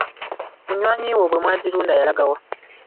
Munywanyi wo bwe mwazirunda yalagawa?